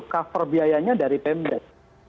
cover biayanya dari pemdes